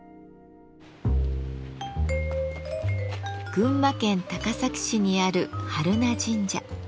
群馬県高崎市にある榛名神社。